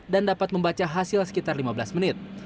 dan dapat membaca hasil sekitar lima belas menit